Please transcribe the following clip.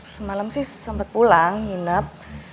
semalam sih sempat pulang nginep